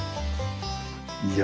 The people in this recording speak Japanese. いや。